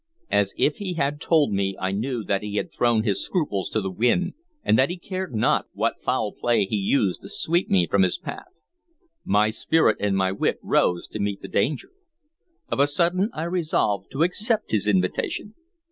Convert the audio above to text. As if he had told me, I knew that he had thrown his scruples to the winds, and that he cared not what foul play he used to sweep me from his path. My spirit and my wit rose to meet the danger. Of a sudden I resolved to accept his invitation.